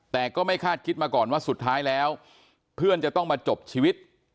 แต่ก็ไม่คาดคิดมาก่อนว่าสุดท้ายแล้วเพื่อนจะต้องมาจบชีวิต